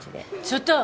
ちょっと。